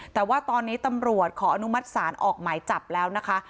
แต่ว่าตอนนี้ตำรวจขออนุมัติศาลออกหมายจับแล้วนะคะ